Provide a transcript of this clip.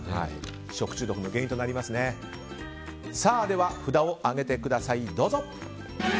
では札を上げてください。